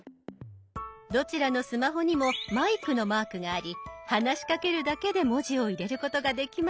どちらのスマホにもマイクのマークがあり話しかけるだけで文字を入れることができますがそれは後ほど。